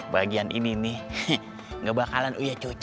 bagian ini nih nggak bakalan uya cuci